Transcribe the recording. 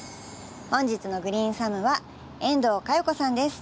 本日のグリーンサムは遠藤佳代子さんです。